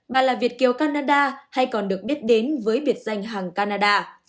bà là việt kiều canada hay còn được biết đến với biệt danh hàng canada